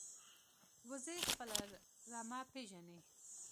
وزې خپل رمه پېژني